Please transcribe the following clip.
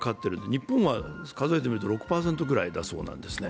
日本は数えてみると６％ぐらいなんだそうですね。